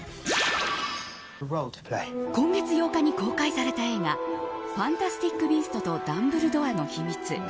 今月８日に公開された映画「ファンタスティック・ビーストとダンブルドアの秘密」。